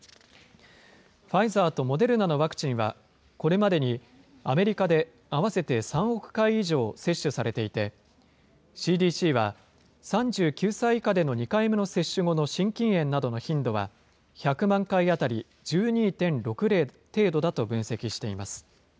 ファイザーとモデルナのワクチンは、これまでにアメリカで合わせて３億回以上接種されていて、ＣＤＣは、３９歳以下での２回目の接種後の心筋炎などの頻度は、１００万回当たり１２．６例程度だと分析しています。